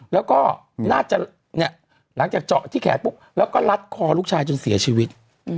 แล้วก็น่าจะหลังจากเจาะที่แขนปุ๊บแล้วก็รัดคอลูกชายจนเสียชีวิต